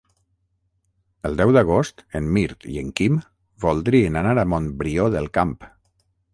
El deu d'agost en Mirt i en Quim voldrien anar a Montbrió del Camp.